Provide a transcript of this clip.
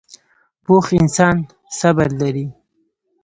پوخ انسان صبر لري